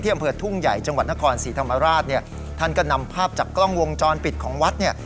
อำเภอทุ่งใหญ่จังหวัดนครศรีธรรมราชเนี่ยท่านก็นำภาพจากกล้องวงจรปิดของวัดเนี่ย